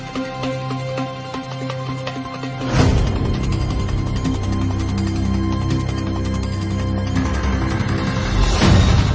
สวัสดี